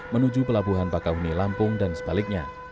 menuju pelabuhan bakahuni lampung dan sebaliknya